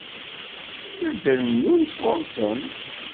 La d-rennun sɣur-sen.